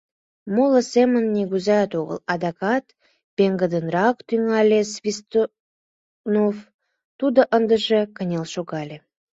Моло семын нигузеат огыл, — адакат пеҥгыдынрак тӱҥале Свистунов, тудо ындыже кынел шогале.